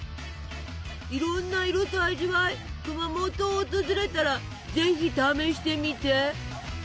いろんな色と味わい熊本を訪れたらぜひ試してみて。